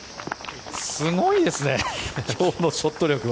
すごいですね今日のショット力は。